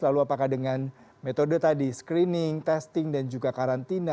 lalu apakah dengan metode tadi screening testing dan juga karantina